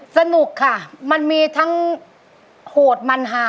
สนุกค่ะมันมีทั้งโหดมันหา